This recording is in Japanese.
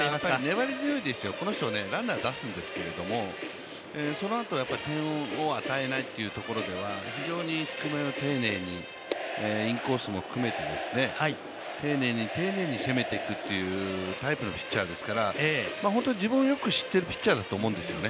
粘り強いですよ、この人はランナー出すんですけどそのあと点を与えないというところでは非常に低めを丁寧に、インコースも含めて丁寧に、丁寧に攻めていくっていうタイプのピッチャーですから本当に自分をよく知っているピッチャーだと思うんですね。